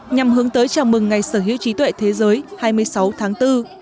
nhằm hướng tới chào mừng ngày sở hữu trí tuệ thế giới hai mươi sáu tháng bốn